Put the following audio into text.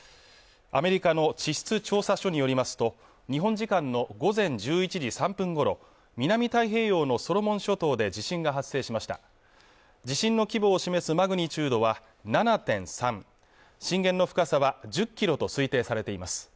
アメリカの地質調査所によりますと日本時間の午前１１時３分ごろ南太平洋のソロモン諸島で地震が発生しました地震の規模を示すマグニチュードは７．３震源の深さは１０キロと推定されています